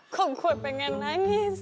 kok gue pengen nangis